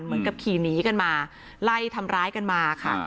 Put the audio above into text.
เหมือนกับขี่หนีกันมาไล่ทำร้ายกันมาค่ะ